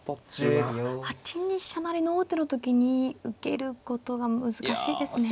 成の王手の時に受けることが難しいですね。